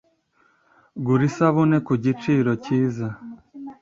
Gura isabune kugiciro cyiza